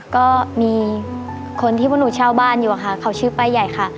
ก็มีคนที่พวกหนูเช่าบ้านอยู่อะค่ะเขาชื่อป้าใหญ่ค่ะ